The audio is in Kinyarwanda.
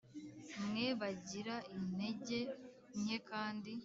mwe bagira intege nke kandi